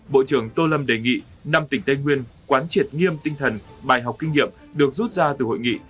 bộ trưởng tô lâm đề nghị năm tỉnh tây nguyên quán triệt nghiêm tinh thần bài học kinh nghiệm được rút ra từ hội nghị